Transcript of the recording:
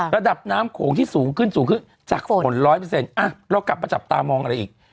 ระดับน้ำโขงที่สูงขึ้นสูงขึ้นจากฝนร้อยเปอร์เซ็นต์อะเรากลับมาจับตามองอะไรอีก